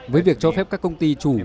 với việc cho phép các công ty chủ